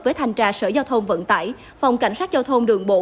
với thanh tra sở giao thông vận tải phòng cảnh sát giao thông đường bộ